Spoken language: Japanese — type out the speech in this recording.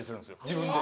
自分で。